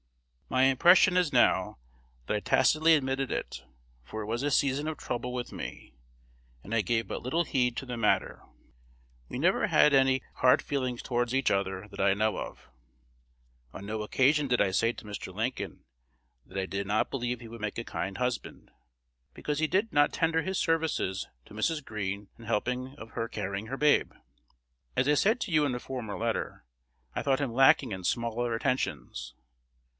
My impression is now that I tacitly admitted it, for it was a season of trouble with me, and I gave but little heed to the matter. We never had any hard feelings toward each other that I know of. On no occasion did I say to Mr. Lincoln that I did not believe he would make a kind husband, because he did not tender his services to Mrs. Greene in helping of her carry her babe. As I said to you in a former letter, I thought him lacking in smaller attentions.